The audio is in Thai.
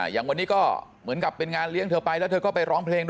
อย่างวันนี้ก็เหมือนกับเป็นงานเลี้ยงเธอไปแล้วเธอก็ไปร้องเพลงด้วย